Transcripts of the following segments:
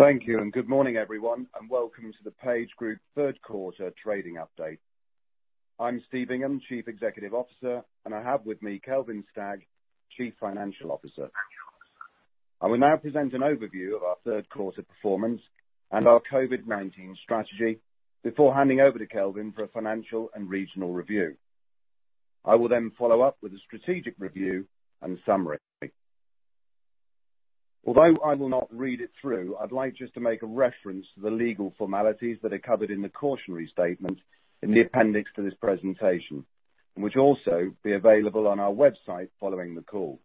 Thank you, good morning, everyone, and welcome to the PageGroup Q3 Trading Update. I'm Steve Ingham, Chief Executive Officer, and I have with me Kelvin Stagg, Chief Financial Officer. I will now present an overview of our Q3 performance and our COVID-19 strategy before handing over to Kelvin for a financial and regional review. I will follow up with a strategic review and summary. Although I will not read it through, I'd like just to make a reference to the legal formalities that are covered in the cautionary statement in the appendix to this presentation and which will also be available on our website following the call.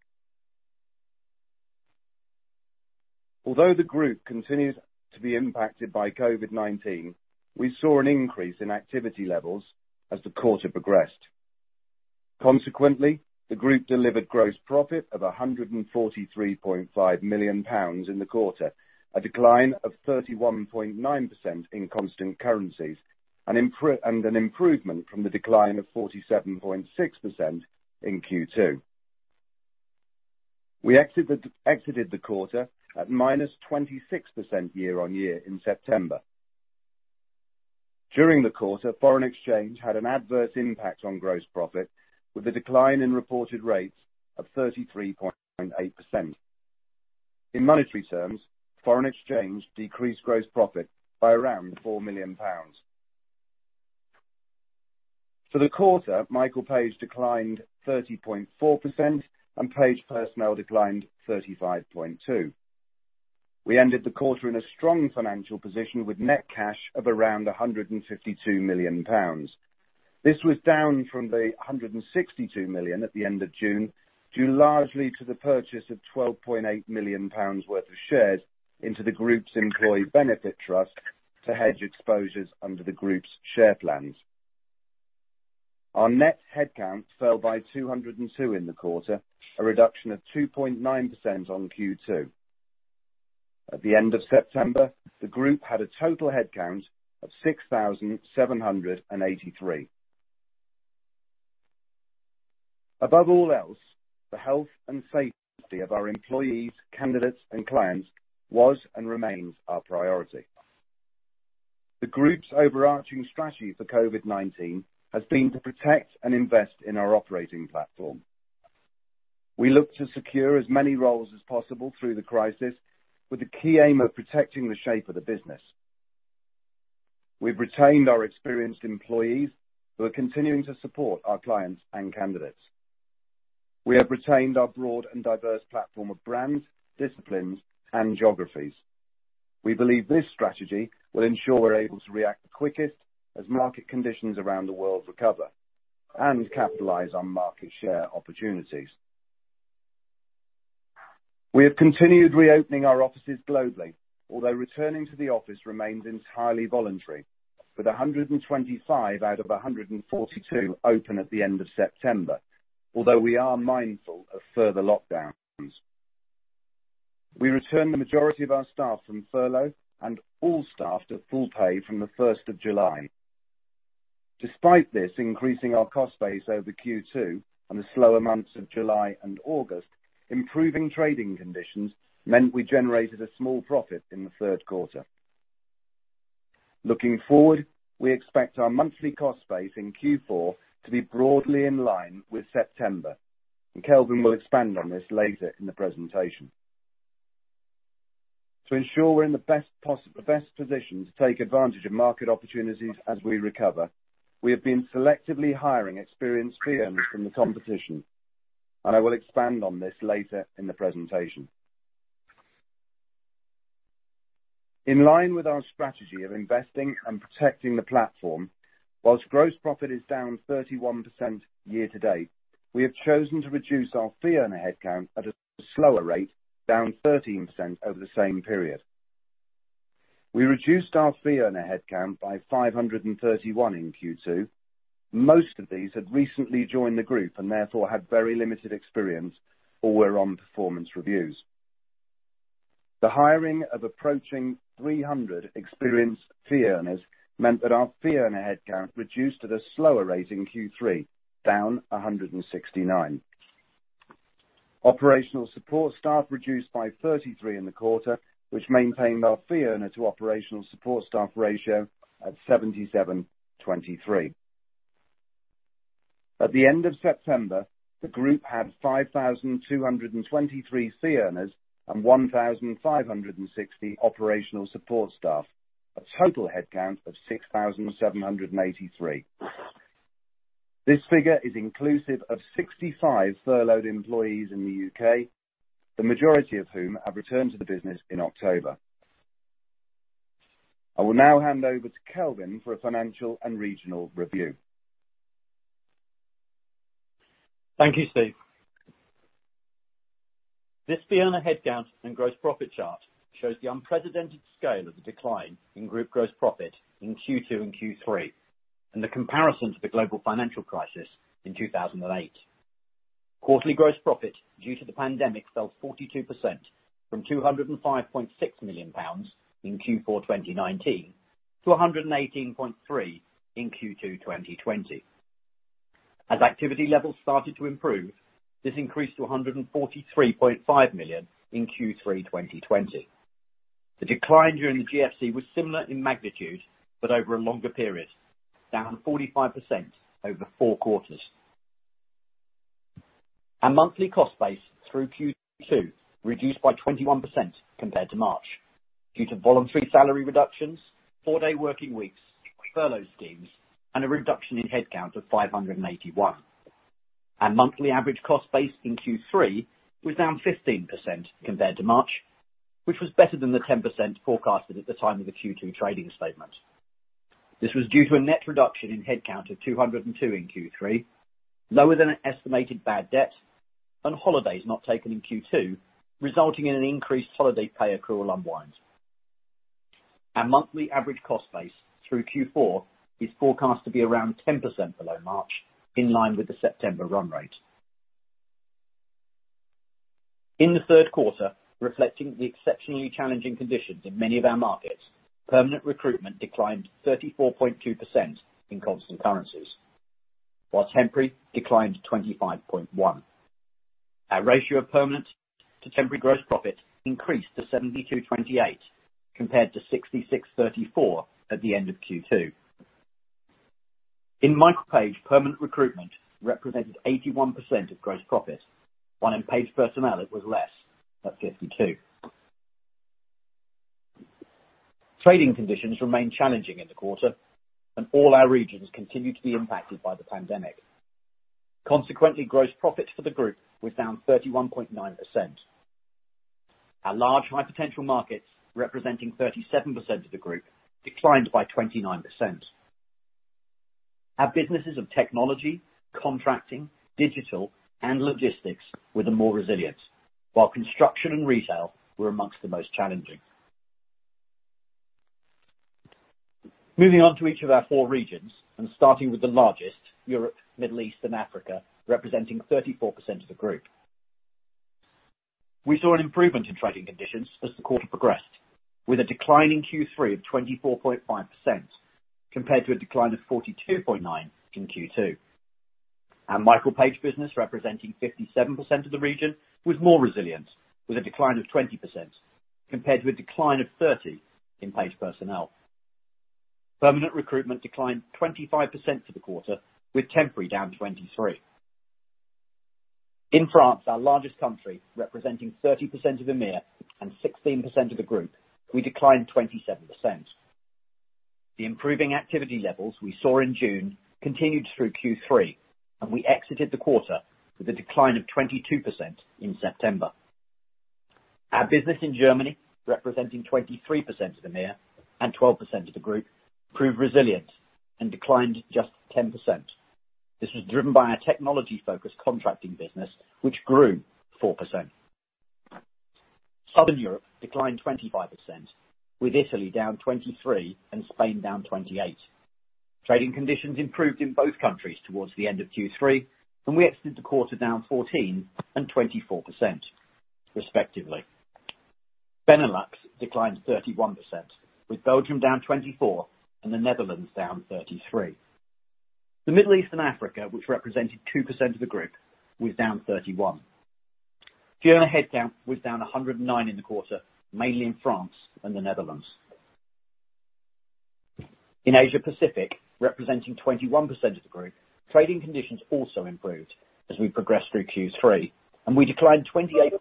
Although the Group continues to be impacted by COVID-19, we saw an increase in activity levels as the quarter progressed. Consequently, the Group delivered gross profit of 143.5 million pounds in the quarter, a decline of 31.9% in constant currencies, and an improvement from the decline of 47.6% in Q2. We exited the quarter at -26% year-on-year in September. During the quarter, foreign exchange had an adverse impact on gross profit, with a decline in reported rates of 33.8%. In monetary terms, foreign exchange decreased gross profit by around 4 million pounds. For the quarter, Michael Page declined 30.4% and Page Personnel declined 35.2. We ended the quarter in a strong financial position with net cash of around 152 million pounds. This was down from the 162 million at the end of June, due largely to the purchase of 12.8 million pounds worth of shares into the Group's employee benefit trust to hedge exposures under the Group's share plans. Our net headcount fell by 202 in the quarter, a reduction of 2.9% on Q2. At the end of September, the Group had a total headcount of 6,783. Above all else, the health and safety of our employees, candidates, and clients was and remains our priority. The Group's overarching strategy for COVID-19 has been to protect and invest in our operating platform. We look to secure as many roles as possible through the crisis, with the key aim of protecting the shape of the business. We've retained our experienced employees, who are continuing to support our clients and candidates. We have retained our broad and diverse platform of brands, disciplines, and geographies. We believe this strategy will ensure we're able to react the quickest as market conditions around the world recover and capitalize on market share opportunities. We have continued reopening our offices globally, although returning to the office remains entirely voluntary, with 125 out of 142 open at the end of September, although we are mindful of further lockdowns. We returned the majority of our staff from furlough and all staff to full pay from the July 1st. Despite this increasing our cost base over Q2 and the slower months of July and August, improving trading conditions meant we generated a small profit in the Q3. Looking forward, we expect our monthly cost base in Q4 to be broadly in line with September, and Kelvin will expand on this later in the presentation. To ensure we're in the best position to take advantage of market opportunities as we recover, we have been selectively hiring experienced fee earners from the competition, and I will expand on this later in the presentation. In line with our strategy of investing and protecting the platform, whilst gross profit is down 31% year to date, we have chosen to reduce our fee earner headcount at a slower rate, down 13% over the same period. We reduced our fee earner headcount by 531 in Q2. Most of these had recently joined the Group and therefore had very limited experience or were on performance reviews. The hiring of approaching 300 experienced fee earners meant that our fee earner headcount reduced at a slower rate in Q3, down 169. Operational support staff reduced by 33 in the quarter, which maintained our fee earner to operational support staff ratio at 77/23. At the end of September, the Group had 5,223 fee earners and 1,560 operational support staff, a total headcount of 6,783. This figure is inclusive of 65 furloughed employees in the U.K., the majority of whom have returned to the business in October. I will now hand over to Kelvin for a financial and regional review. Thank you, Steve. This fee earner headcount and gross profit chart shows the unprecedented scale of the decline in Group gross profit in Q2 and Q3 and the comparison to the global financial crisis in 2008. Quarterly gross profit due to the pandemic fell 42%, from GBP 205.6 million in Q4 2019 to 118.3 million in Q2 2020. As activity levels started to improve, this increased to 143.5 million in Q3 2020. The decline during the GFC was similar in magnitude but over a longer period, down 45% over four quarters. Our monthly cost base through Q2 reduced by 21% compared to March due to voluntary salary reductions, four-day working weeks, furlough schemes, and a reduction in headcount of 581. Our monthly average cost base in Q3 was down 15% compared to March, which was better than the 10% forecasted at the time of the Q2 trading statement. This was due to a net reduction in headcount of 202 in Q3, lower than estimated bad debt, and holidays not taken in Q2, resulting in an increased holiday pay accrual unwind. Our monthly average cost base through Q4 is forecast to be around 10% below March, in line with the September run rate. In the Q3, reflecting the exceptionally challenging conditions in many of our markets, permanent recruitment declined 34.2% in constant currencies, while temporary declined 25.1%. Our ratio of permanent to temporary gross profit increased to 72/28, compared to 66/34 at the end of Q2. In Michael Page, permanent recruitment represented 81% of gross profit, while in Page Personnel, it was less, at 52%. Trading conditions remained challenging in the quarter, and all our regions continued to be impacted by the pandemic. Consequently, gross profit for the group was down 31.9%. Our large high-potential markets, representing 37% of the group, declined by 29%. Our businesses of technology, contracting, digital, and logistics were the more resilient, while construction and retail were among the most challenging. Moving on to each of our four regions, and starting with the largest, Europe, Middle East, and Africa, representing 34% of the group. We saw an improvement in trading conditions as the quarter progressed, with a decline in Q3 of 24.5%, compared to a decline of 42.9% in Q2. Our Michael Page business, representing 57% of the region, was more resilient, with a decline of 20%, compared with a decline of 30% in Page Personnel. Permanent recruitment declined 25% for the quarter, with temporary down 23%. In France, our largest country, representing 30% of EMEA and 16% of the group, we declined 27%. The improving activity levels we saw in June continued through Q3, and we exited the quarter with a decline of 22% in September. Our business in Germany, representing 23% of EMEA and 12% of the group, proved resilient and declined just 10%. This was driven by our technology-focused contracting business, which grew 4%. Southern Europe declined 25%, with Italy down 23% and Spain down 28%. Trading conditions improved in both countries towards the end of Q3, and we exited the quarter down 14% and 24%, respectively. Benelux declined 31%, with Belgium down 24% and the Netherlands down 33%. The Middle East and Africa, which represented 2% of the group, was down 31%. Journal headcount was down 109 in the quarter, mainly in France and the Netherlands. In Asia Pacific, representing 21% of the group, trading conditions also improved as we progressed through Q3, and we declined 28.2%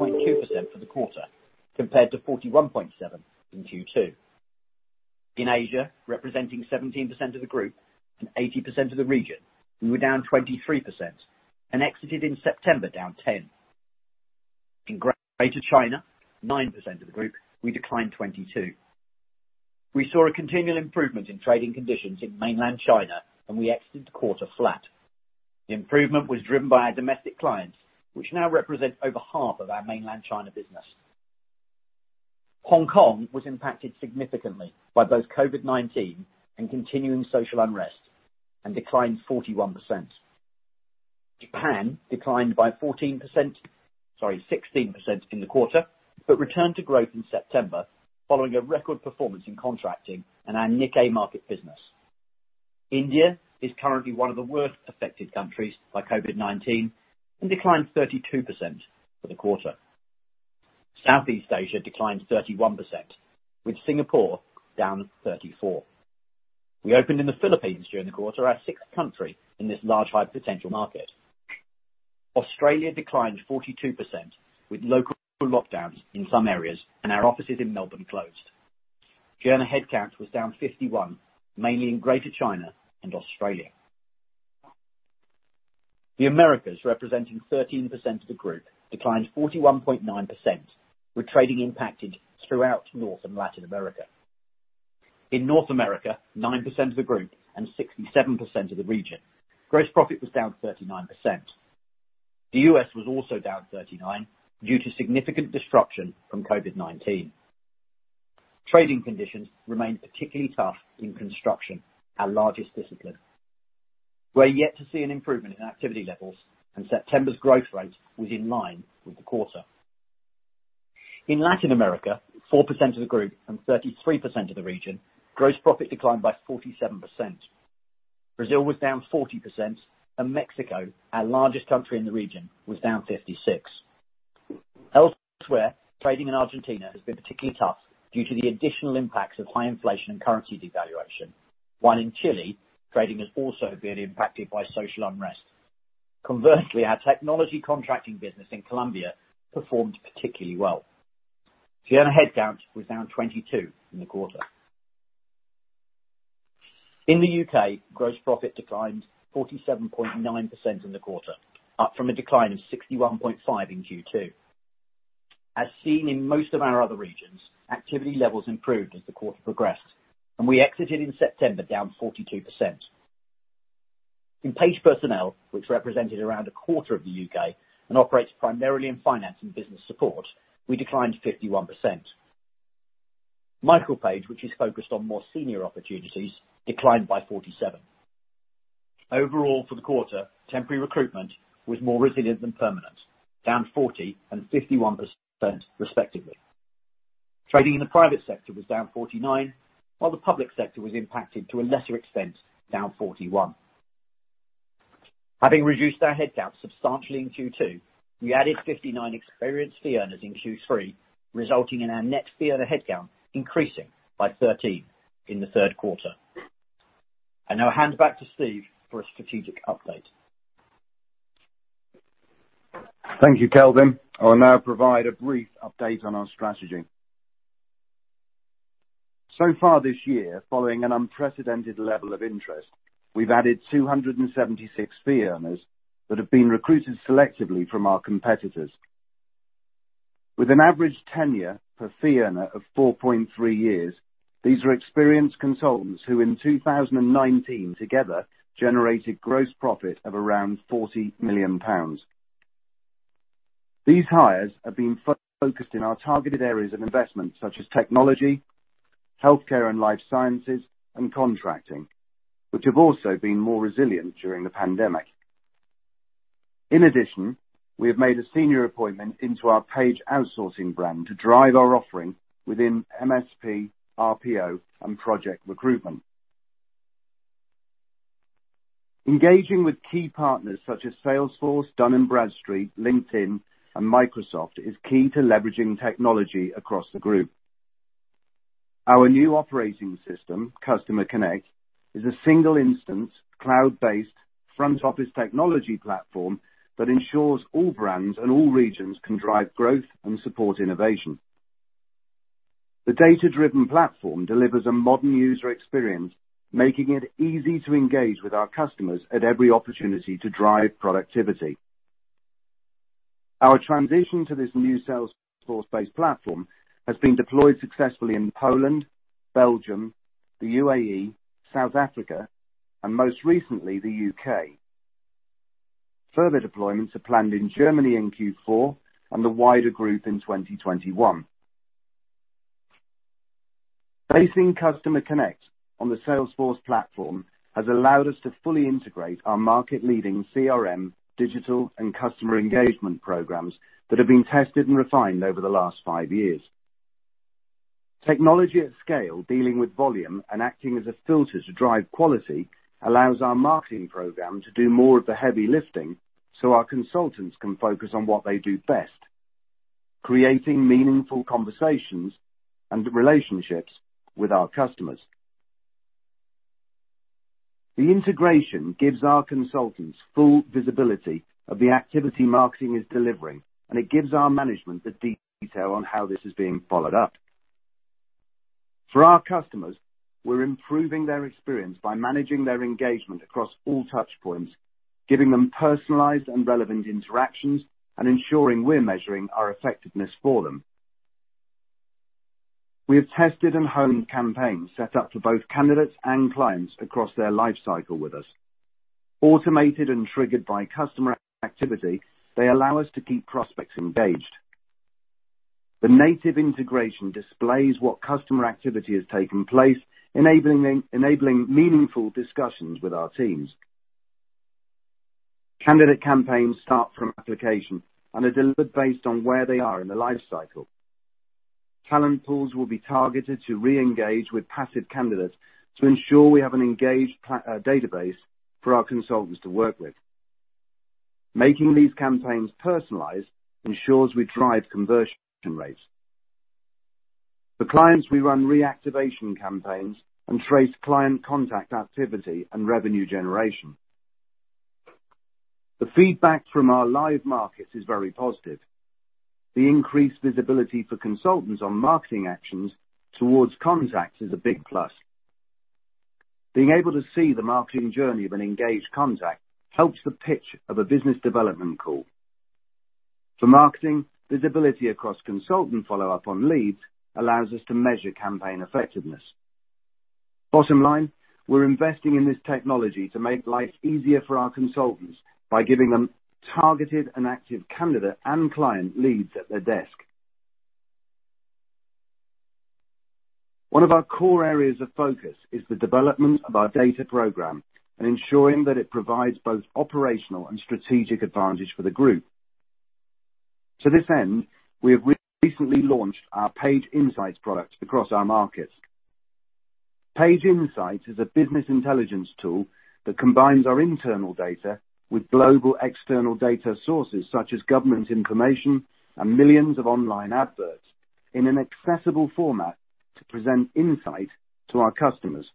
for the quarter compared to 41.7% in Q2. In Asia, representing 17% of the group and 80% of the region, we were down 23% and exited in September down 10%. In Greater China, 9% of the group, we declined 22%. We saw a continual improvement in trading conditions in mainland China, and we exited the quarter flat. The improvement was driven by our domestic clients, which now represent over half of our mainland China business. Hong Kong was impacted significantly by both COVID-19 and continuing social unrest and declined 41%. Japan declined by 14%, sorry, 16% in the quarter, but returned to growth in September following a record performance in contracting in our Nikkei market business. India is currently one of the worst affected countries by COVID-19 and declined 32% for the quarter. Southeast Asia declined 31%, with Singapore down 34%. We opened in the Philippines during the quarter, our sixth country in this large high-potential market. Australia declined 42%, with local lockdowns in some areas and our offices in Melbourne closed. Journal headcount was down 51%, mainly in Greater China and Australia. The Americas, representing 13% of the group, declined 41.9%, with trading impacted throughout North and Latin America. In North America, 9% of the group and 67% of the region, gross profit was down 39%. The U.S. was also down 39% due to significant disruption from COVID-19. Trading conditions remained particularly tough in construction, our largest discipline. We're yet to see an improvement in activity levels, and September's growth rate was in line with the quarter. In Latin America, 4% of the group and 33% of the region, gross profit declined by 47%. Brazil was down 40%, and Mexico, our largest country in the region, was down 56%. Elsewhere, trading in Argentina has been particularly tough due to the additional impacts of high inflation and currency devaluation, while in Chile, trading has also been impacted by social unrest. Conversely, our technology contracting business in Colombia performed particularly well. Fee earner headcount was down 22 in the quarter. In the U.K., gross profit declined 47.9% in the quarter, up from a decline of 61.5% in Q2. As seen in most of our other regions, activity levels improved as the quarter progressed, and we exited in September down 42%. In Page Personnel, which represented around a quarter of the U.K. and operates primarily in finance and business support, we declined 51%. Michael Page, which is focused on more senior opportunities, declined by 47%. Overall for the quarter, temporary recruitment was more resilient than permanent, down 40% and 51% respectively. Trading in the private sector was down 49%, while the public sector was impacted to a lesser extent, down 41%. Having reduced our headcount substantially in Q2, we added 59 experienced fee earners in Q3, resulting in our net fee earner headcount increasing by 13 in the Q3. I now hand back to Steve for a strategic update. Thank you, Kelvin. I will now provide a brief update on our strategy. Far this year, following an unprecedented level of interest, we've added 276 fee earners that have been recruited selectively from our competitors. With an average tenure per fee earner of 4.3 years, these are experienced consultants who in 2019 together generated gross profit of around 40 million pounds. These hires have been focused in our targeted areas of investment such as technology, healthcare and life sciences, and contracting, which have also been more resilient during the pandemic. In addition, we have made a senior appointment into our Page Outsourcing brand to drive our offering within MSP, RPO, and project recruitment. Engaging with key partners such as Salesforce, Dun & Bradstreet, LinkedIn, and Microsoft is key to leveraging technology across the group. Our new operating system, Customer Connect, is a single-instance, cloud-based front-office technology platform that ensures all brands and all regions can drive growth and support innovation. The data-driven platform delivers a modern user experience, making it easy to engage with our customers at every opportunity to drive productivity. Our transition to this new Salesforce-based platform has been deployed successfully in Poland, Belgium, the U.A.E., South Africa, and most recently, the U.K. Further deployments are planned in Germany in Q4 and the wider group in 2021. Basing Customer Connect on the Salesforce platform has allowed us to fully integrate our market-leading CRM, digital, and customer engagement programs that have been tested and refined over the last five years. Technology at scale, dealing with volume and acting as a filter to drive quality, allows our marketing program to do more of the heavy lifting so our consultants can focus on what they do best, creating meaningful conversations and relationships with our customers. The integration gives our consultants full visibility of the activity marketing is delivering, and it gives our management the detail on how this is being followed up. For our customers, we're improving their experience by managing their engagement across all touch points, giving them personalized and relevant interactions and ensuring we're measuring our effectiveness for them. We have tested and honed campaigns set up for both candidates and clients across their life cycle with us. Automated and triggered by customer activity, they allow us to keep prospects engaged. The native integration displays what customer activity has taken place, enabling meaningful discussions with our teams. Candidate campaigns start from application and are delivered based on where they are in the life cycle. Talent pools will be targeted to reengage with passive candidates to ensure we have an engaged database for our consultants to work with. Making these campaigns personalized ensures we drive conversion rates. For clients, we run reactivation campaigns and trace client contact activity and revenue generation. The feedback from our live markets is very positive. The increased visibility for consultants on marketing actions towards contacts is a big plus. Being able to see the marketing journey of an engaged contact helps the pitch of a business development call. For marketing, visibility across consultant follow up on leads allows us to measure campaign effectiveness. Bottom line, we're investing in this technology to make life easier for our consultants by giving them targeted and active candidate and client leads at their desk. One of our core areas of focus is the development of our data program and ensuring that it provides both operational and strategic advantage for the group. To this end, we have recently launched our Page Insights product across our markets. Page Insights is a business intelligence tool that combines our internal data with global external data sources, such as government information and millions of online adverts, in an accessible format to present insight to our customers.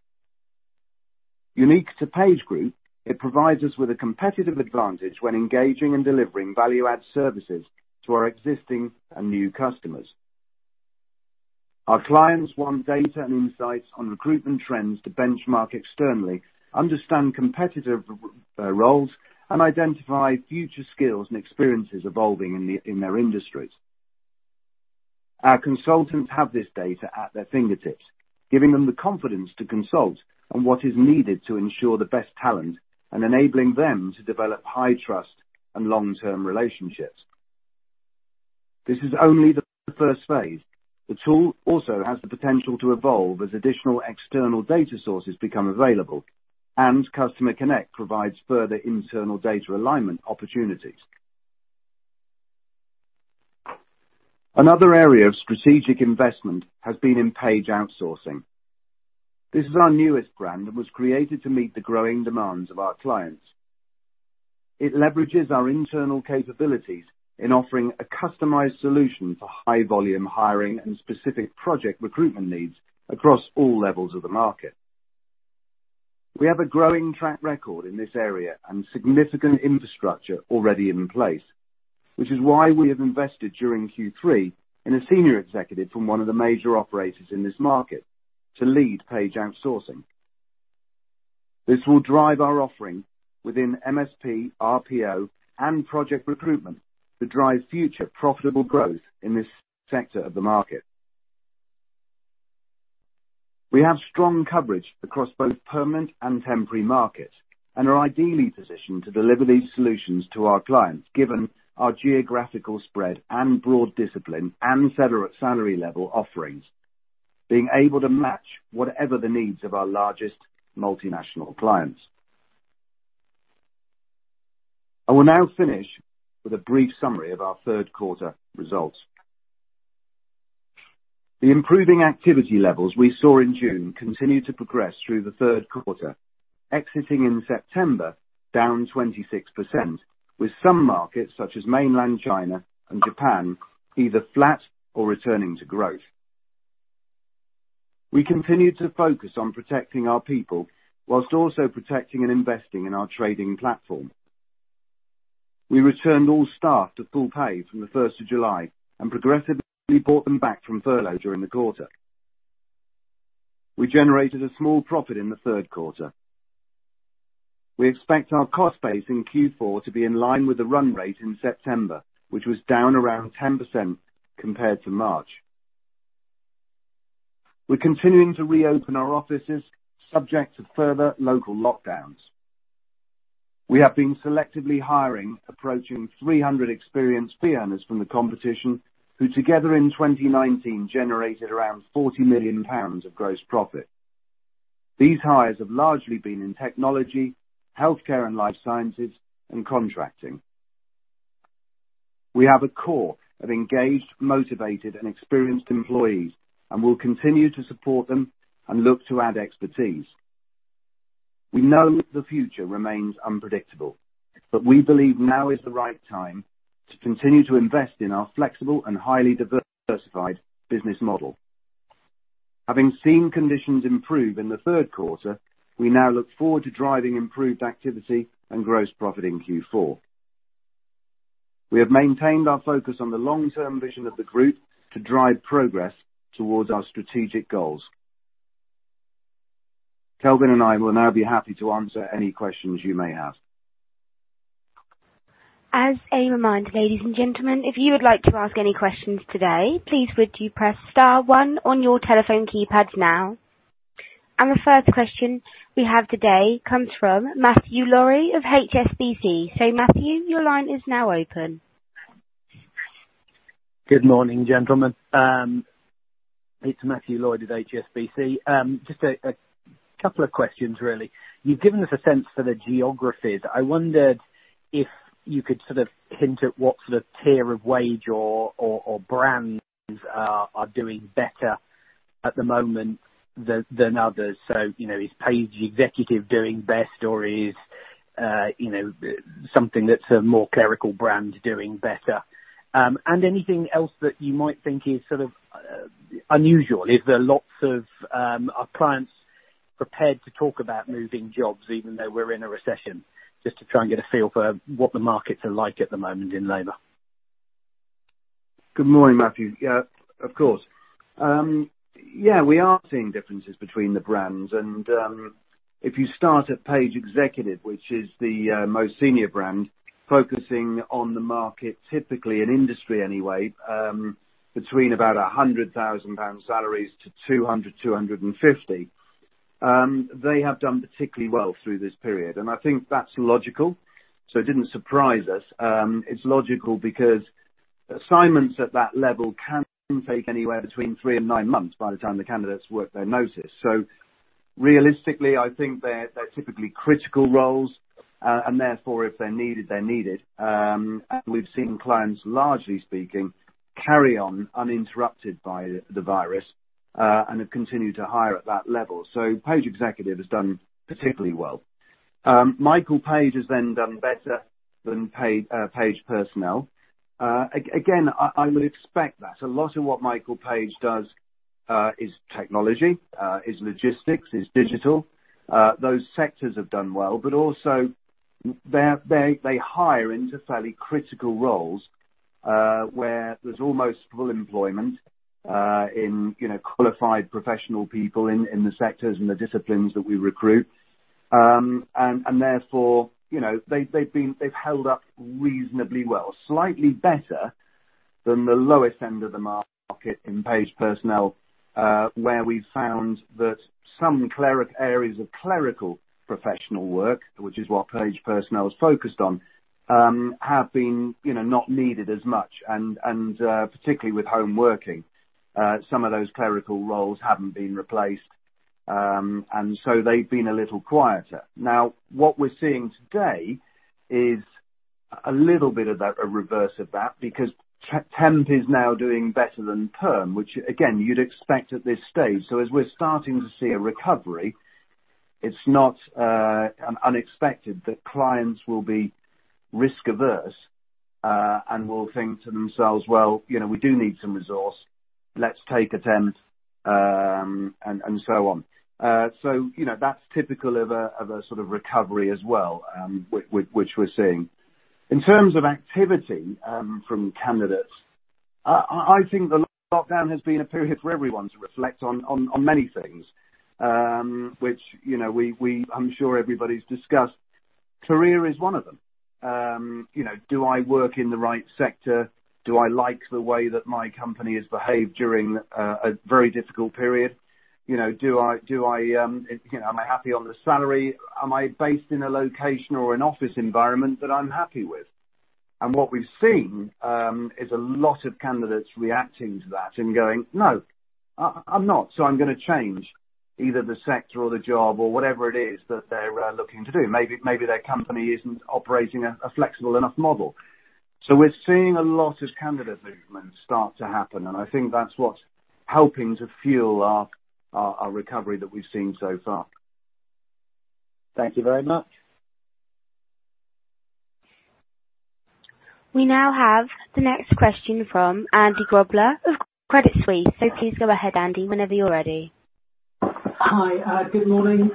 Unique to PageGroup, it provides us with a competitive advantage when engaging and delivering value-add services to our existing and new customers. Our clients want data and insights on recruitment trends to benchmark externally, understand competitive roles, and identify future skills and experiences evolving in their industries. Our consultants have this data at their fingertips, giving them the confidence to consult on what is needed to ensure the best talent and enabling them to develop high trust and long-term relationships. This is only the first phase. The tool also has the potential to evolve as additional external data sources become available, and Customer Connect provides further internal data alignment opportunities. Another area of strategic investment has been in Page Outsourcing. This is our newest brand and was created to meet the growing demands of our clients. It leverages our internal capabilities in offering a customized solution for high volume hiring and specific project recruitment needs across all levels of the market. We have a growing track record in this area and significant infrastructure already in place, which is why we have invested during Q3 in a senior executive from one of the major operators in this market to lead Page Outsourcing. This will drive our offering within MSP, RPO, and project recruitment to drive future profitable growth in this sector of the market. We have strong coverage across both permanent and temporary markets and are ideally positioned to deliver these solutions to our clients, given our geographical spread and broad discipline and federal salary level offerings, being able to match whatever the needs of our largest multinational clients. I will now finish with a brief summary of our Q3 results. The improving activity levels we saw in June continued to progress through the Q3, exiting in September, down 26%, with some markets such as mainland China and Japan, either flat or returning to growth. We continued to focus on protecting our people whilst also protecting and investing in our trading platform. We returned all staff to full pay from the first of July and progressively brought them back from furlough during the quarter. We generated a small profit in the Q3. We expect our cost base in Q4 to be in line with the run rate in September, which was down around 10% compared to March. We're continuing to reopen our offices subject to further local lockdowns. We have been selectively hiring, approaching 300 experienced fee earners from the competition, who together in 2019 generated around 40 million pounds of gross profit. These hires have largely been in technology, healthcare and life sciences, and contracting. We have a core of engaged, motivated, and experienced employees, and we'll continue to support them and look to add expertise. We know the future remains unpredictable, but we believe now is the right time to continue to invest in our flexible and highly diversified business model. Having seen conditions improve in the Q3, we now look forward to driving improved activity and gross profit in Q4. We have maintained our focus on the long-term vision of the group to drive progress towards our strategic goals. Kelvin and I will now be happy to answer any questions you may have. As a reminder, ladies and gentlemen, if you would like to ask any questions today, please would you press star one on your telephone keypads now. The first question we have today comes from Matthew Lloyd of HSBC. Matthew, your line is now open. Good morning, gentlemen. It's Matthew Lloyd at HSBC. Just a couple of questions, really. You've given us a sense for the geographies. I wondered if you could sort of hint at what sort of tier of wage or brands are doing better at the moment than others. Is Page Executive doing best, or is something that's a more clerical brand doing better? Anything else that you might think is sort of unusual. Are clients prepared to talk about moving jobs even though we're in a recession? Just to try and get a feel for what the markets are like at the moment in labor. Good morning, Matthew. Yeah, of course. Yeah, we are seeing differences between the brands. If you start at Page Executive, which is the most senior brand, focusing on the market, typically in industry anyway, between about £100,000-£250,000 salaries. They have done particularly well through this period. I think that's logical, so it didn't surprise us. It's logical because assignments at that level can take anywhere between three and nine months by the time the candidates work their notice. Realistically, I think they're typically critical roles. Therefore, if they're needed, they're needed. We've seen clients, largely speaking, carry on uninterrupted by the virus, and have continued to hire at that level. Page Executive has done particularly well. Michael Page has then done better than Page Personnel. Again, I would expect that. A lot of what Michael Page does is technology, is logistics, is digital. Also they hire into fairly critical roles, where there's almost full employment in qualified professional people in the sectors and the disciplines that we recruit. Therefore, they've held up reasonably well, slightly better than the lowest end of the market in Page Personnel, where we've found that some areas of clerical professional work, which is what Page Personnel is focused on, have been not needed as much and particularly with home working. Some of those clerical roles haven't been replaced. So they've been a little quieter. Now, what we're seeing today is a little bit of a reverse of that because temp is now doing better than perm, which again, you'd expect at this stage. As we're starting to see a recovery, it's not unexpected that clients will be risk-averse and will think to themselves, "Well, we do need some resource. Let's take a temp," and so on. That's typical of a sort of recovery as well, which we're seeing. In terms of activity from candidates, I think the lockdown has been a period for everyone to reflect on many things, which I'm sure everybody's discussed. Career is one of them. Do I work in the right sector? Do I like the way that my company has behaved during a very difficult period? Am I happy on the salary? Am I based in a location or an office environment that I'm happy with? What we've seen is a lot of candidates reacting to that and going, "No, I'm not. I'm going to change, either the sector or the job or whatever it is that they're looking to do. Maybe their company isn't operating a flexible enough model. We're seeing a lot of candidate movement start to happen, and I think that's what's helping to fuel our recovery that we've seen so far. Thank you very much. We now have the next question from Andy Grobler of Credit Suisse. Please go ahead, Andy, whenever you're ready. Hi. Good morning.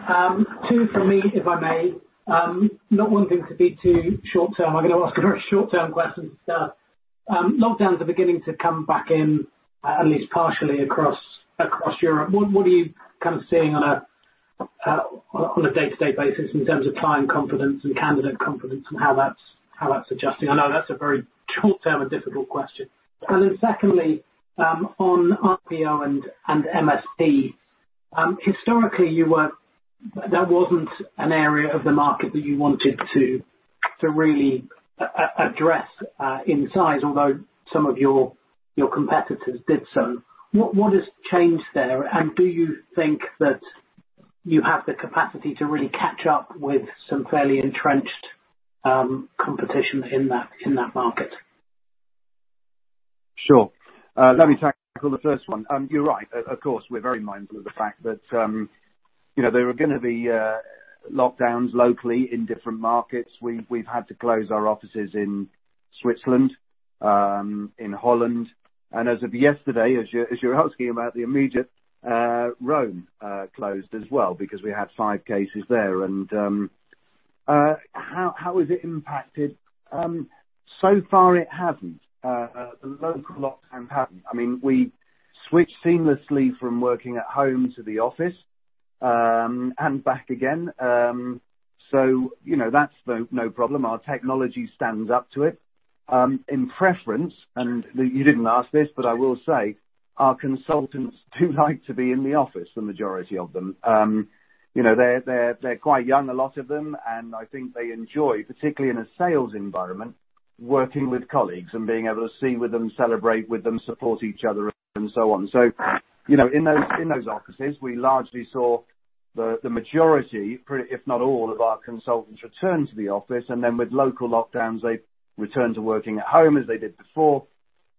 Two from me, if I may. Not wanting to be too short-term, I'm going to ask a very short-term question. Lockdowns are beginning to come back in, at least partially across Europe. What are you seeing on a day-to-day basis in terms of client confidence and candidate confidence and how that's adjusting? I know that's a very short-term and difficult question. Secondly, on RPO and MSP. Historically, that wasn't an area of the market that you wanted to really address in size, although some of your competitors did so. What has changed there? Do you think that you have the capacity to really catch up with some fairly entrenched competition in that market? Sure. Let me tackle the first one. You're right. Of course, we're very mindful of the fact that there are going to be lockdowns locally in different markets. We've had to close our offices in Switzerland, in Holland, and as of yesterday, as you're asking about the immediate, Rome closed as well because we had five cases there. How has it impacted? So far, it hasn't. The local lockdown hasn't. We switched seamlessly from working at home to the office, and back again. That's no problem. Our technology stands up to it. In preference, and you didn't ask this, but I will say our consultants do like to be in the office, the majority of them. They're quite young, a lot of them, and I think they enjoy, particularly in a sales environment, working with colleagues and being able to see with them, celebrate with them, support each other, and so on. In those offices, we largely saw the majority, if not all of our consultants return to the office, and then with local lockdowns, they've returned to working at home as they did before,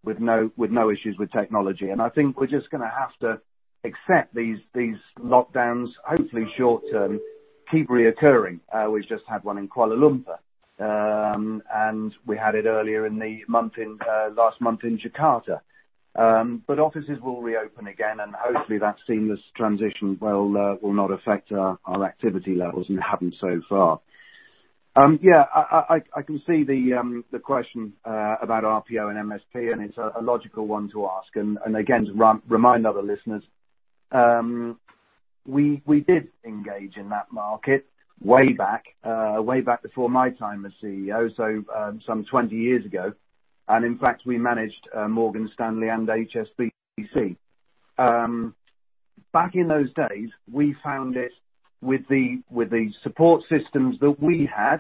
with no issues with technology. I think we're just going to have to accept these lockdowns, hopefully short-term, keep reoccurring. We just had one in Kuala Lumpur. We had it earlier in the last month in Jakarta. Offices will reopen again, and hopefully that seamless transition will not affect our activity levels and haven't so far. I can see the question about RPO and MSP, and it's a logical one to ask. Again, to remind other listeners, we did engage in that market way back before my time as CEO, so some 20 years ago. In fact, we managed Morgan Stanley and HSBC. Back in those days, we found it with the support systems that we had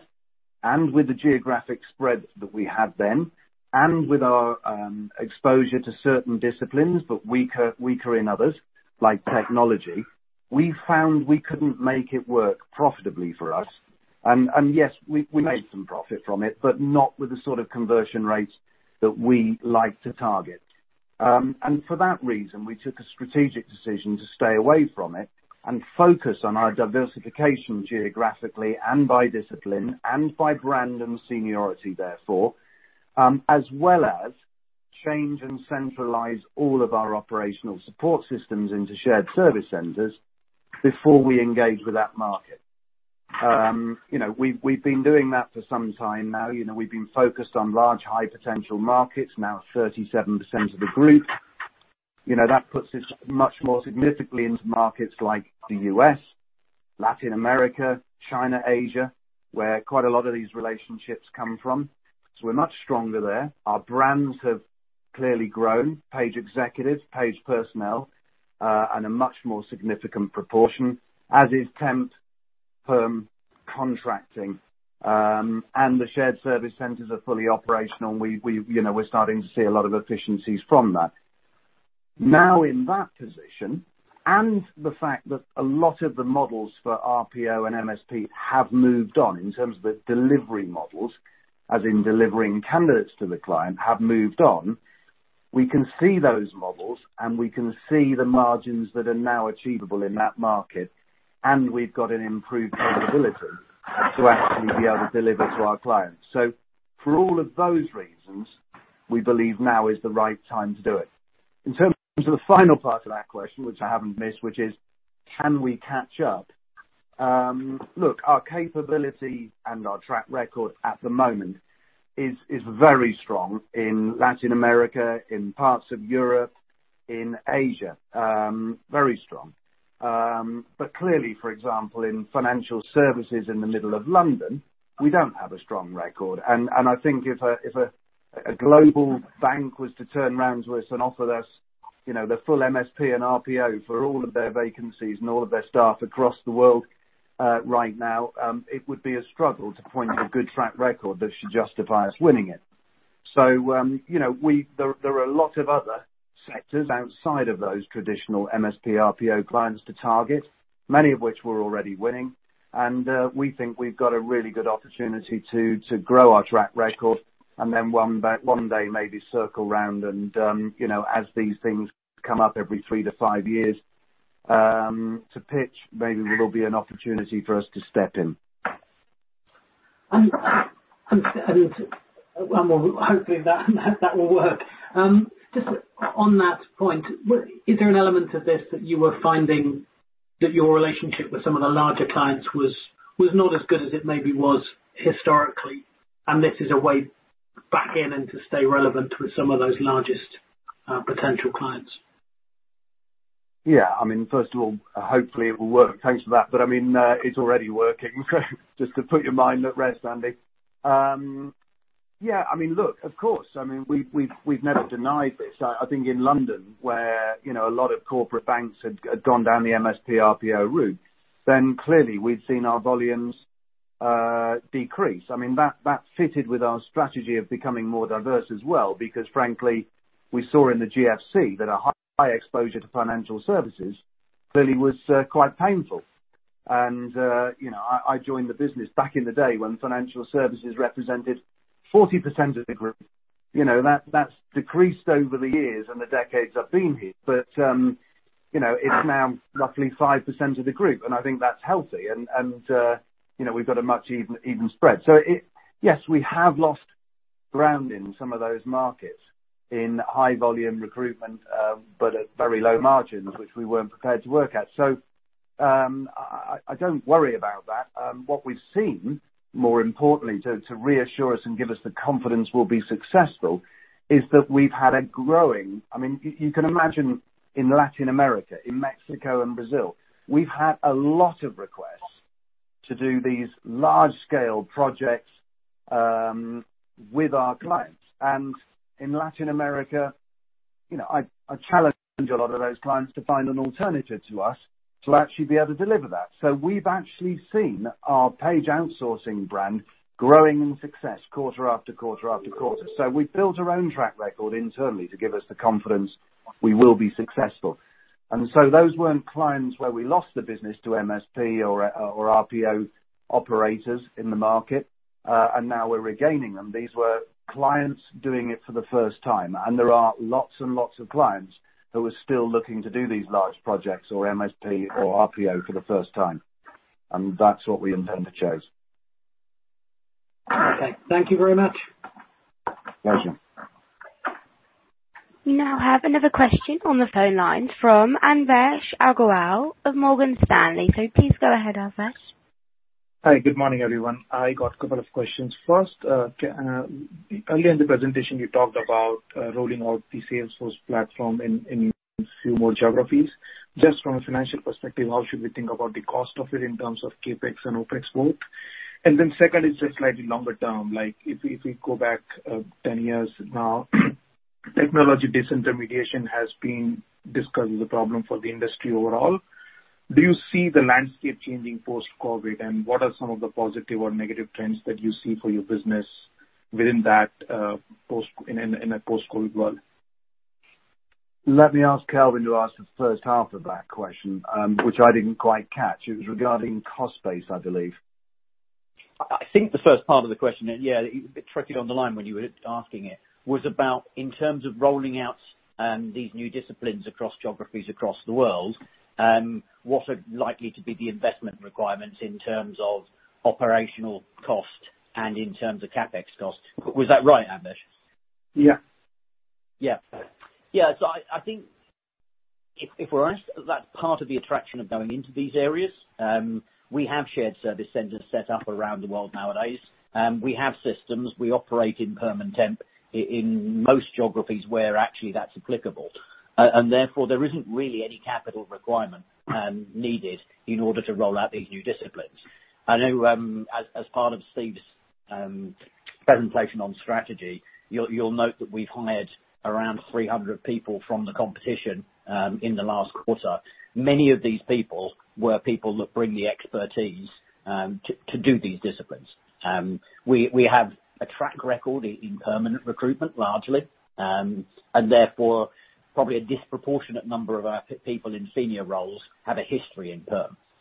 and with the geographic spread that we had then, and with our exposure to certain disciplines, but weaker in others, like technology, we found we couldn't make it work profitably for us. Yes, we made some profit from it, but not with the sort of conversion rates that we like to target. For that reason, we took a strategic decision to stay away from it and focus on our diversification geographically and by discipline and by brand and seniority therefore, as well as change and centralize all of our operational support systems into shared service centers before we engage with that market. We've been doing that for some time now. We've been focused on large high-potential markets, now 37% of the group. That puts us much more significantly into markets like the U.S., Latin America, China, Asia, where quite a lot of these relationships come from. We're much stronger there. Our brands have clearly grown. Page Executive, Page Personnel, and a much more significant proportion, as is temp, perm, contracting. The shared service centers are fully operational, and we're starting to see a lot of efficiencies from that. Now in that position, and the fact that a lot of the models for RPO and MSP have moved on in terms of the delivery models, as in delivering candidates to the client, have moved on, we can see those models, and we can see the margins that are now achievable in that market, and we've got an improved capability to actually be able to deliver to our clients. For all of those reasons, we believe now is the right time to do it. In terms of the final part of that question, which I haven't missed, which is, can we catch up? Look, our capability and our track record at the moment is very strong in Latin America, in parts of Europe, in Asia. Very strong. Clearly, for example, in financial services in the middle of London, we don't have a strong record. I think if a global bank was to turn around to us and offer us the full MSP and RPO for all of their vacancies and all of their staff across the world right now, it would be a struggle to point at a good track record that should justify us winning it. There are a lot of other sectors outside of those traditional MSP RPO clients to target, many of which we're already winning. We think we've got a really good opportunity to grow our track record and then one day maybe circle around and as these things come up every three to five years, to pitch, maybe there will be an opportunity for us to step in. Well, hopefully that will work. Just on that point, is there an element of this that you were finding that your relationship with some of the larger clients was not as good as it maybe was historically, and this is a way back in and to stay relevant with some of those largest potential clients? Yeah. First of all, hopefully it will work. Thanks for that. It's already working. Just to put your mind at rest, Andy. Yeah, look, of course. We've never denied this. I think in London, where a lot of corporate banks had gone down the MSP RPO route, clearly we'd seen our volumes decrease. That fitted with our strategy of becoming more diverse as well, because frankly, we saw in the GFC that a high exposure to financial services clearly was quite painful. I joined the business back in the day when financial services represented 40% of the group. That's decreased over the years and the decades I've been here, it's now roughly 5% of the group, I think that's healthy, and we've got a much even spread. Yes, we have lost ground in some of those markets in high volume recruitment, but at very low margins, which we weren't prepared to work at. I don't worry about that. What we've seen, more importantly, to reassure us and give us the confidence we'll be successful, is that You can imagine in Latin America, in Mexico and Brazil, we've had a lot of requests to do these large-scale projects with our clients. In Latin America, I challenge a lot of those clients to find an alternative to us to actually be able to deliver that. We've actually seen our Page Outsourcing brand growing in success quarter after quarter after quarter. We've built our own track record internally to give us the confidence we will be successful. Those weren't clients where we lost the business to MSP or RPO operators in the market, and now we're regaining them. These were clients doing it for the first time. There are lots and lots of clients who are still looking to do these large projects or MSP or RPO for the first time. That's what we intend to chase. Okay. Thank you very much. Pleasure. We now have another question on the phone line from Anvesh Agrawal of Morgan Stanley. Please go ahead, Anvesh. Hi. Good morning, everyone. I got a couple of questions. First, earlier in the presentation, you talked about rolling out the Salesforce platform in a few more geographies. Just from a financial perspective, how should we think about the cost of it in terms of CapEx and OpEx both? Second is just slightly longer term. If we go back 10 years now. Technology disintermediation has been discussed as a problem for the industry overall. Do you see the landscape changing post-COVID, and what are some of the positive or negative trends that you see for your business within that in a post-COVID world? Let me ask Kelvin to answer the H1 of that question, which I didn't quite catch. It was regarding cost base, I believe. I think the first part of the question, yeah, a bit tricky on the line when you were asking it, was about in terms of rolling out these new disciplines across geographies across the world, what are likely to be the investment requirements in terms of operational cost and in terms of CapEx cost. Was that right, Anvesh? Yeah. Yeah. I think if we're honest, that's part of the attraction of going into these areas. We have shared service centers set up around the world nowadays. We have systems. We operate in perm and temp in most geographies where actually that's applicable. Therefore, there isn't really any capital requirement needed in order to roll out these new disciplines. I know as part of Steve's presentation on strategy, you'll note that we've hired around 300 people from the competition in the last quarter. Many of these people were people that bring the expertise to do these disciplines. We have a track record in permanent recruitment, largely, and therefore probably a disproportionate number of our people in senior roles have a history in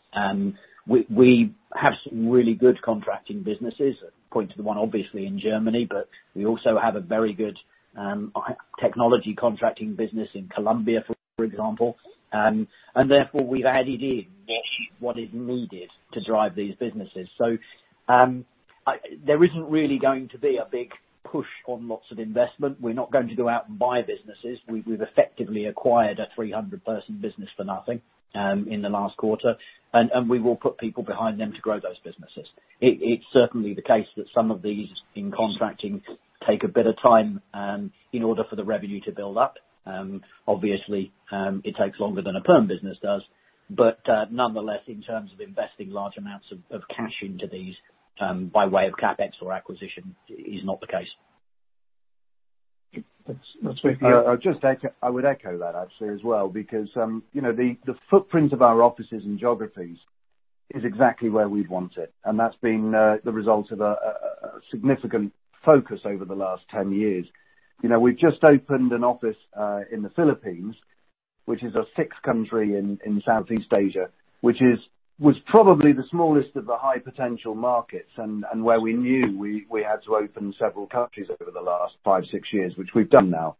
perm. We have some really good contracting businesses. I point to the one obviously in Germany, but we also have a very good technology contracting business in Colombia, for example. Therefore, we've had indeed what is needed to drive these businesses. There isn't really going to be a big push on lots of investment. We're not going to go out and buy businesses. We've effectively acquired a 300-person business for nothing in the last quarter, and we will put people behind them to grow those businesses. It's certainly the case that some of these in contracting take a bit of time in order for the revenue to build up. Obviously, it takes longer than a perm business does. Nonetheless, in terms of investing large amounts of cash into these, by way of CapEx or acquisition, is not the case. That's good. I would echo that actually as well because the footprint of our offices and geographies is exactly where we want it, and that's been the result of a significant focus over the last 10 years. We just opened an office in the Philippines, which is our sixth country in Southeast Asia, which was probably the smallest of the high potential markets and where we knew we had to open several countries over the last five, six years, which we've done now.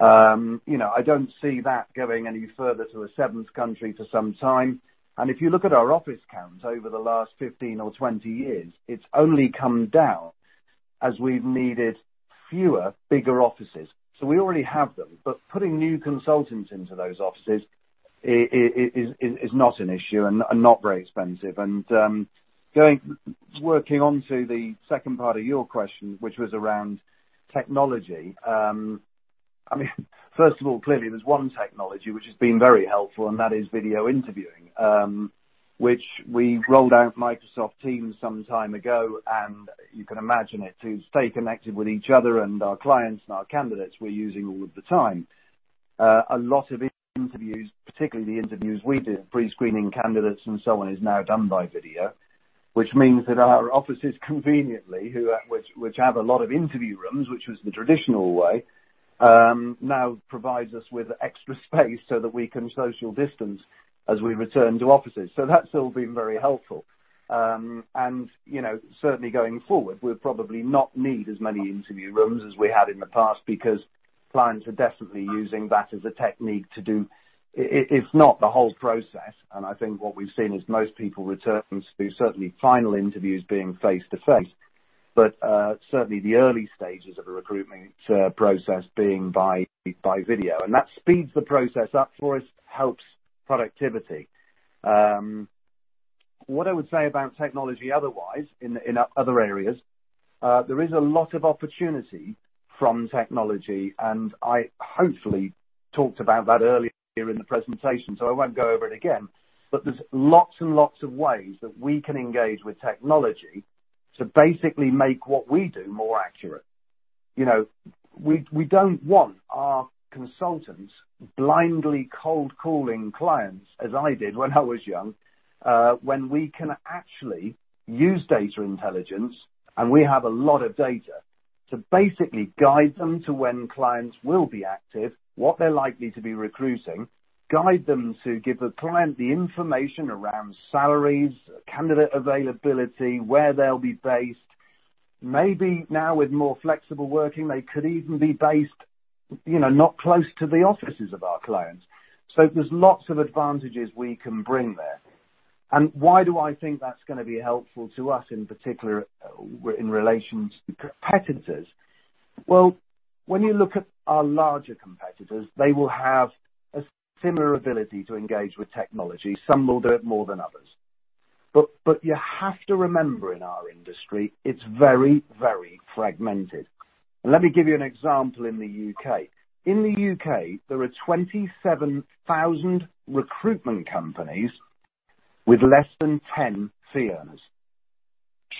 I don't see that going any further to a seventh country for some time. If you look at our office counts over the last 15 or 20 years, it's only come down as we've needed fewer, bigger offices. We already have them, but putting new consultants into those offices is not an issue and not very expensive. Working onto the second part of your question, which was around technology. First of all, clearly, there's one technology which has been very helpful, and that is video interviewing, which we rolled out Microsoft Teams some time ago, and you can imagine it to stay connected with each other and our clients and our candidates we're using all of the time. A lot of interviews, particularly the interviews we did, pre-screening candidates and so on, is now done by video, which means that our offices conveniently, which have a lot of interview rooms, which was the traditional way, now provides us with extra space so that we can social distance as we return to offices. That's all been very helpful. Certainly going forward, we'll probably not need as many interview rooms as we had in the past because clients are definitely using that as a technique. It's not the whole process, and I think what we've seen is most people return to certainly final interviews being face-to-face. Certainly the early stages of a recruitment process being by video. That speeds the process up for us, helps productivity. What I would say about technology otherwise in other areas, there is a lot of opportunity from technology, and I hopefully talked about that earlier in the presentation, so I won't go over it again. There's lots and lots of ways that we can engage with technology to basically make what we do more accurate. We don't want our consultants blindly cold calling clients, as I did when I was young, when we can actually use data intelligence, and we have a lot of data, to basically guide them to when clients will be active, what they're likely to be recruiting, guide them to give the client the information around salaries, candidate availability, where they'll be based. Maybe now with more flexible working, they could even be based not close to the offices of our clients. There's lots of advantages we can bring there. Why do I think that's going to be helpful to us, in particular, in relation to competitors? Well, when you look at our larger competitors, they will have a similar ability to engage with technology. Some will do it more than others. You have to remember, in our industry, it's very, very fragmented. Let me give you an example in the U.K. In the U.K., there are 27,000 recruitment companies with less than 10 fee earners.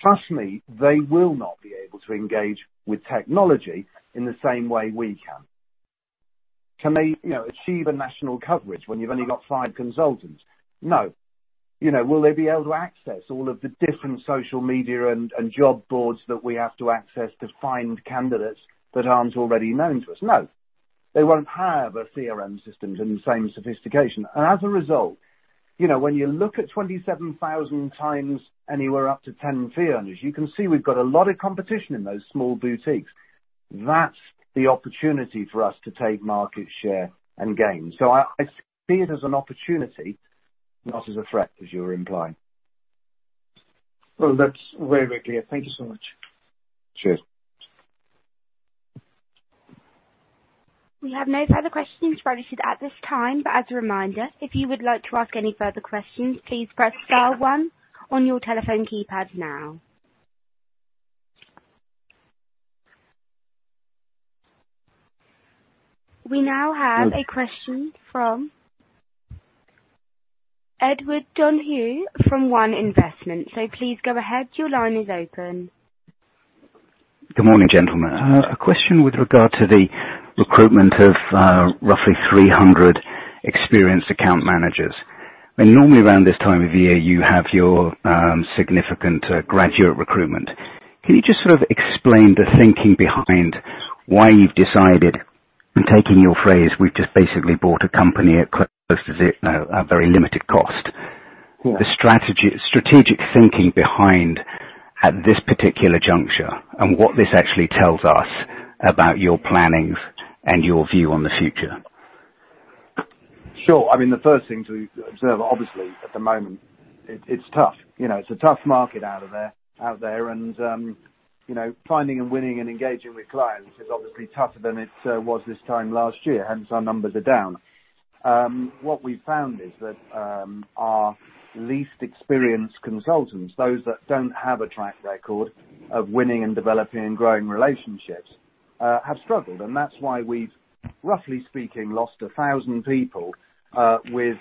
Trust me, they will not be able to engage with technology in the same way we can. Can they achieve a national coverage when you've only got five consultants? No. Will they be able to access all of the different social media and job boards that we have to access to find candidates that aren't already known to us? No. They won't have a CRM systems in the same sophistication. As a result, when you look at 27,000 times anywhere up to 10 fee earners, you can see we've got a lot of competition in those small boutiques. That's the opportunity for us to take market share and gain. I see it as an opportunity, not as a threat as you're implying. Well, that's very clear. Thank you so much. Cheers. We have no further questions registered at this time, as a reminder, if you would like to ask any further questions, please press star one on your telephone keypad now. We now have a question from Edward Donahue from One Investment. Please go ahead, your line is open. Good morning, gentlemen. A question with regard to the recruitment of roughly 300 experienced account managers. Normally around this time of year, you have your significant graduate recruitment. Can you just sort of explain the thinking behind why you've decided, and taking your phrase, we've just basically bought a company at close to zero, a very limited cost. Yeah. The strategic thinking behind at this particular juncture, and what this actually tells us about your planning and your view on the future. Sure. The first thing to observe, obviously, at the moment, it's tough. It's a tough market out there, and finding and winning and engaging with clients is obviously tougher than it was this time last year, hence our numbers are down. What we found is that our least experienced consultants, those that don't have a track record of winning and developing and growing relationships, have struggled, and that's why we've, roughly speaking, lost 1,000 people with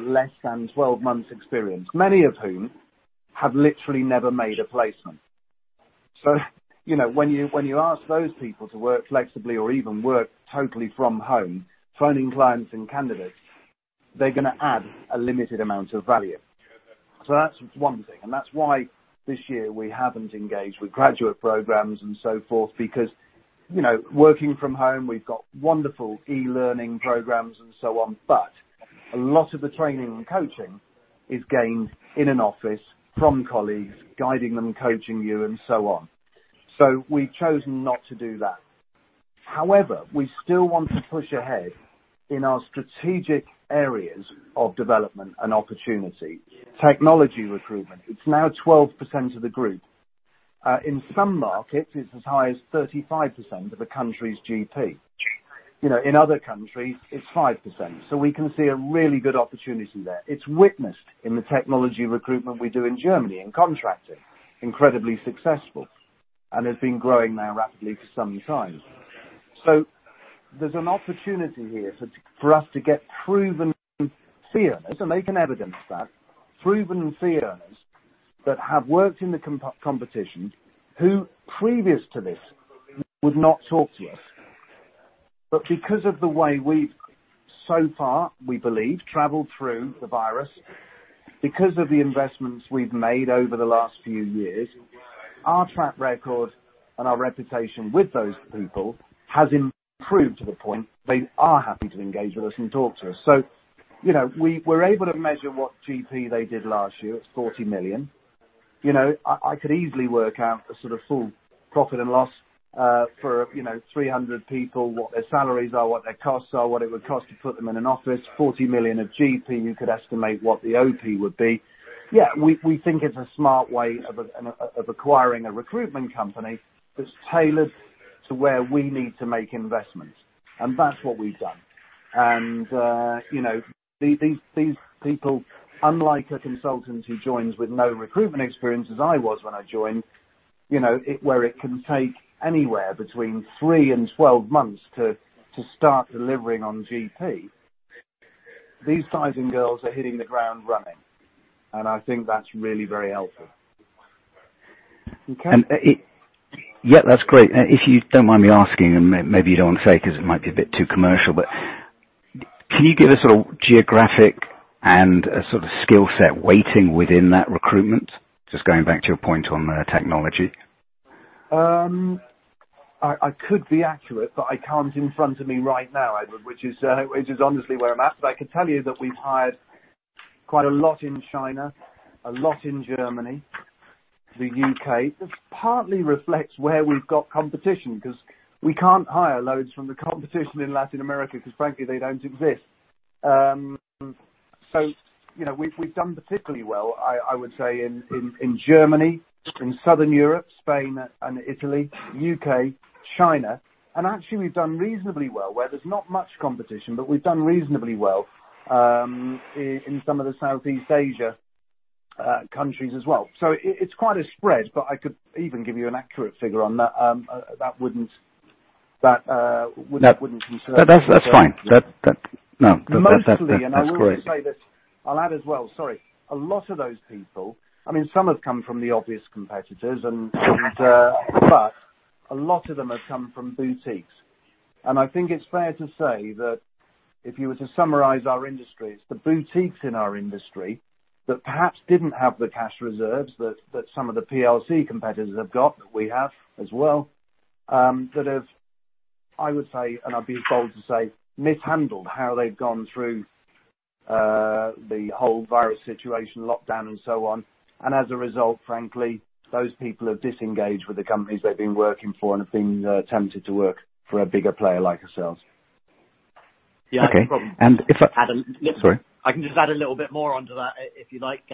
less than 12 months experience, many of whom have literally never made a placement. When you ask those people to work flexibly or even work totally from home, phoning clients and candidates, they're gonna add a limited amount of value. That's one thing. That's why this year we haven't engaged with graduate programs and so forth because working from home, we've got wonderful e-learning programs and so on, but a lot of the training and coaching is gained in an office from colleagues guiding them, coaching you, and so on. We've chosen not to do that. However, we still want to push ahead in our strategic areas of development and opportunity. Technology recruitment, it's now 12% of the Group. In some markets, it's as high as 35% of the country's GP. In other countries, it's 5%. We can see a really good opportunity there. It's witnessed in the technology recruitment we do in Germany, in contracting. Incredibly successful, and has been growing now rapidly for some time. There's an opportunity here for us to get proven fee earners, and they can evidence that. Proven fee earners that have worked in the competition, who previous to this would not talk to us. Because of the way we've so far, we believe, traveled through the virus, because of the investments we've made over the last few years, our track record and our reputation with those people has improved to the point they are happy to engage with us and talk to us. We're able to measure what GP they did last year. It's 40 million. I could easily work out a sort of full profit and loss for 300 people, what their salaries are, what their costs are, what it would cost to put them in an office. 40 million of GP, you could estimate what the OP would be. Yeah, we think it's a smart way of acquiring a recruitment company that's tailored to where we need to make investments. That's what we've done. These people, unlike a consultant who joins with no recruitment experience as I was when I joined, where it can take anywhere between 3 and 12 months to start delivering on GP. These guys and girls are hitting the ground running, and I think that's really very helpful. Yeah, that's great. If you don't mind me asking, and maybe you don't want to say because it might be a bit too commercial, but can you give a sort of geographic and a sort of skill set weighting within that recruitment? Just going back to your point on technology. I could be accurate, but I can't in front of me right now, Edward, which is honestly where I'm at. I can tell you that we've hired quite a lot in China, a lot in Germany, the U.K. This partly reflects where we've got competition because we can't hire loads from the competition in Latin America because frankly, they don't exist. We've done particularly well, I would say, in Germany, in Southern Europe, Spain and Italy, U.K., China. Actually, we've done reasonably well, where there's not much competition, but we've done reasonably well in some of the Southeast Asia countries as well. It's quite a spread, but I could even give you an accurate figure on that. That wouldn't concern me. That's fine. No, that's great. Mostly, I will just say this, I'll add as well, sorry. A lot of those people, some have come from the obvious competitors, but a lot of them have come from boutiques. I think it's fair to say that if you were to summarize our industry, it's the boutiques in our industry that perhaps didn't have the cash reserves that some of the PLC competitors have got, that we have as well, that have, I would say, and I'd be bold to say, mishandled how they've gone through the whole virus situation, lockdown and so on. As a result, frankly, those people have disengaged with the companies they've been working for and have been tempted to work for a bigger player like ourselves. Okay. Yeah, no problem. Sorry. I can just add a little bit more onto that if you'd like.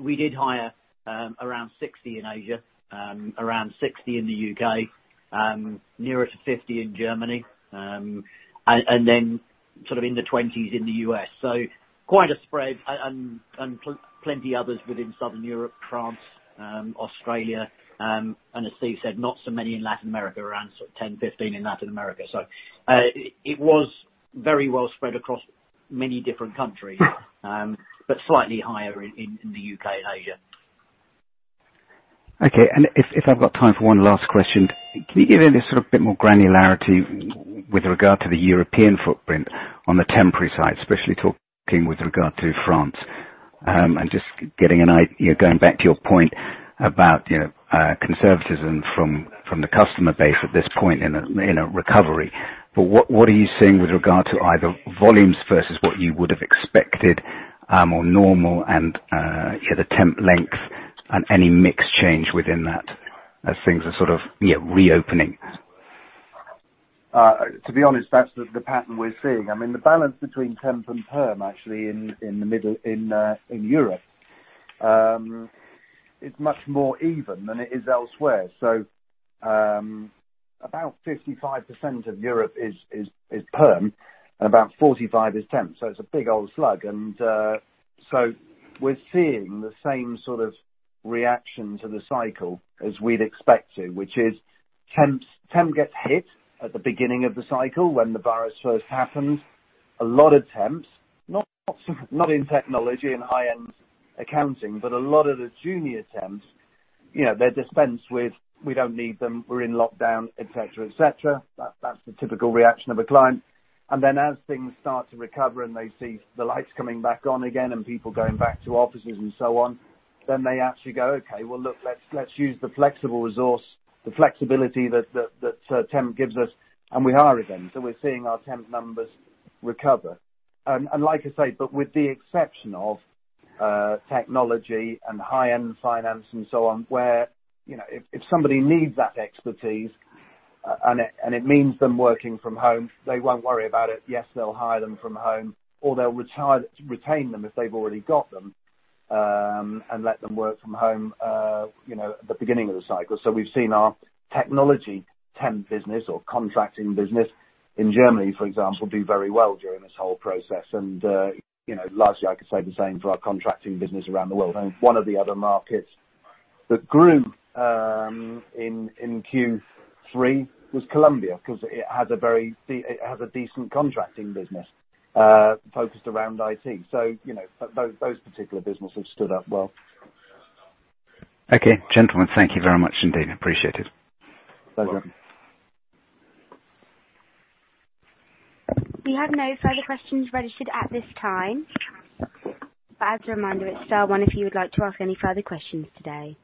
We did hire around 60 in Asia, around 60 in the U.K., nearer to 50 in Germany, in the 20s in the U.S. Quite a spread and plenty others within Southern Europe, France, Australia. As Steve said, not so many in Latin America, around 10, 15 in Latin America. It was very well spread across many different countries, but slightly higher in the U.K. and Asia. Okay. If I've got time for one last question, can you give any bit more granularity with regard to the European footprint on the temporary side, especially talking with regard to France? Just going back to your point about conservatism from the customer base at this point in a recovery. What are you seeing with regard to either volumes versus what you would have expected or normal and the temp length and any mix change within that as things are reopening? To be honest, that's the pattern we're seeing. The balance between temp and perm actually in Europe, is much more even than it is elsewhere. About 55% of Europe is perm and about 45% is temp. It's a big old slug. We're seeing the same sort of reaction to the cycle as we'd expected, which is temp gets hit at the beginning of the cycle when the virus first happened. A lot of temps, not in technology, in high-end accounting, but a lot of the junior temps, they're dispensed with. We don't need them. We're in lockdown, et cetera. That's the typical reaction of a client. Then as things start to recover and they see the lights coming back on again and people going back to offices and so on, then they actually go, "Okay, well, look, let's use the flexible resource, the flexibility that temp gives us," and we hire again. We're seeing our temp numbers recover. Like I say, but with the exception of technology and high-end finance and so on, where if somebody needs that expertise and it means them working from home, they won't worry about it. Yes, they'll hire them from home, or they'll retain them if they've already got them, and let them work from home, at the beginning of the cycle. We've seen our technology temp business or contracting business in Germany, for example, do very well during this whole process. Largely, I could say the same for our contracting business around the world. One of the other markets that grew in Q3 was Colombia, because it has a decent contracting business, focused around IT. Those particular businesses stood up well. Okay, gentlemen. Thank you very much indeed. Appreciate it. Pleasure. Welcome. We have no further questions registered at this time. As a reminder, it's star one if you would like to ask any further questions today.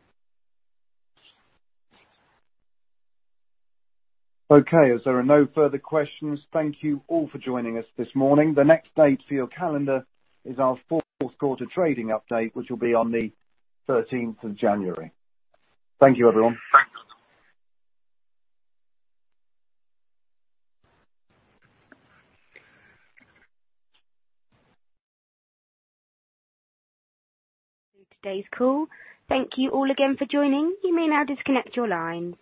Okay. As there are no further questions, thank you all for joining us this morning. The next date for your calendar is our Q4 trading update, which will be on the 13th of January. Thank you, everyone. Today's call. Thank you all again for joining. You may now disconnect your line.